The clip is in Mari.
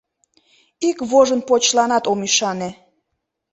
Ик вожынпочланат ом ӱшане...